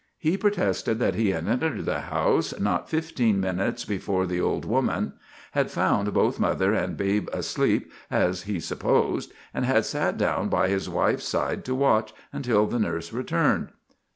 He protested that he had entered the house not fifteen minutes before the old woman, had found both mother and babe asleep, as he supposed, and had sat down by his wife's side to watch, until the nurse returned.